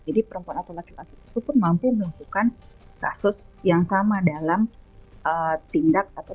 jadi perempuan atau laki laki itu pun mampu melakukan kasus yang sama dalam tindak atau tindakan